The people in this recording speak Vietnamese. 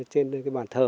trên cái bàn thờ